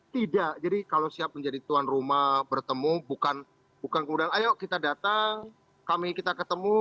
tidak jadi kalau siap menjadi tuan rumah bertemu bukan kemudian ayo kita datang kami kita ketemu